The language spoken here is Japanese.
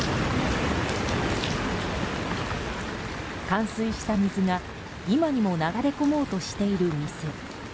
冠水した水が今にも流れ込もうとしている店。